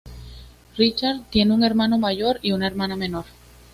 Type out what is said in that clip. Richard tiene un hermano mayor y una hermana menor.